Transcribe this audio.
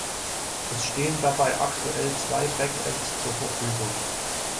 Es stehen dabei aktuell zwei Backends zur Verfügung.